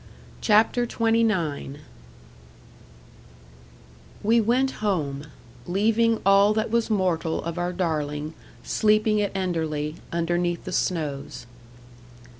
CHAPTER XXIX We went home, leaving all that was mortal of our darling sleeping at Enderley, underneath the snows.